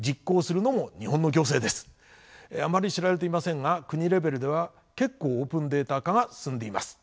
あまり知られていませんが国レベルでは結構オープンデータ化が進んでいます。